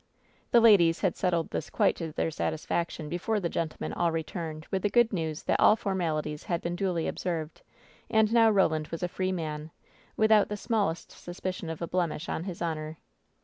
The ladies had settled this quite to their satisfaction before the gentlemen all returned with the good news that all formalities had been duly observed, and now Roland was a free man, without the smallest suspicion of a blemish on his honor.